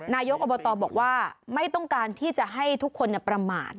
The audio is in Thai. นายกอบตบอกว่าไม่ต้องการที่จะให้ทุกคนประมาท